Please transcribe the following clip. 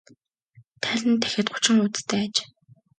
Тайлан нь дахиад гучин хуудастай аж.